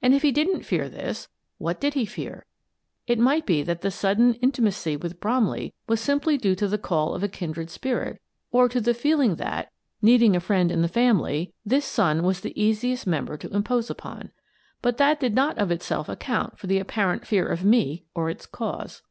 And if he didn't fear this, what did he fear? It might be that the sudden intimacy with Bromley was simply due to the call of a kin dred spirit, or to the feeling that, needing a friend 2io Miss Frances Baird, Detective in the family, this son was the easiest member to impose upon. But that did not of itself account for the apparent fear of me or its cause.